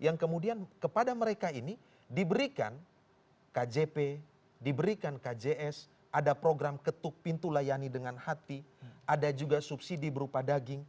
yang kemudian kepada mereka ini diberikan kjp diberikan kjs ada program ketuk pintu layani dengan hati ada juga subsidi berupa daging